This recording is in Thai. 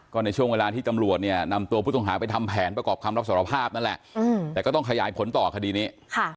ก็ในช่วงเวลาที่ตำรวจเนี่ยนำตัวผู้ต้องหาไปทำแผนประกอบคำรับสารภาพนั่นแหละแต่ก็ต้องขยายผลต่อคดีนี้